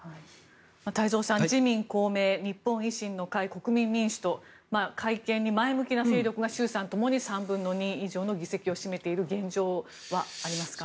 太蔵さん自民、公明、日本維新の会国民民主と改憲に前向きな勢力が衆参ともに３分２以上の議席を占めている現状がありますが。